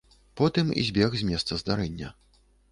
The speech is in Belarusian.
Потым збег з месца здарэння.